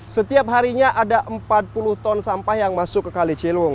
setiap harinya ada empat puluh ton sampah yang masuk ke kali ciliwung